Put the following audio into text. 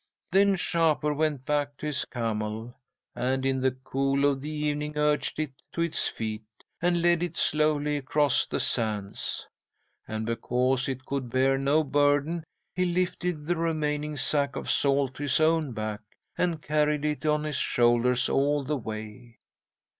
"'Then Shapur went back to his camel, and, in the cool of the evening, urged it to its feet, and led it slowly across the sands. And because it could bear no burden, he lifted the remaining sack of salt to his own back, and carried it on his shoulders all the way.